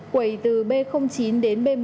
quầy từ b chín đến b một mươi hai